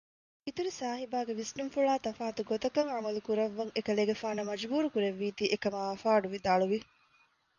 އިތުރުސާހިބާގެ ވިސްނުންފުޅާ ތަފާތު ގޮތަކަށް ޢަމަލުކުރައްވަން އެކަލޭގެފާނަށް މަޖްބޫރު ކުރެއްވީތީ އެކަމާ ފަޑުވިދާޅުވި